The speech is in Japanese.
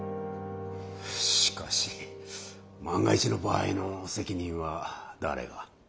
しかし万が一の場合の責任は誰が。